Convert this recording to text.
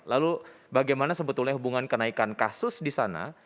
lalu bagaimana sebetulnya hubungan kenaikan kasus di sana